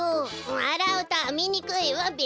わらうとあみにくいわべ。